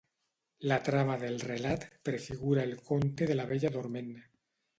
La trama del relat prefigura el conte de la Bella Dorment.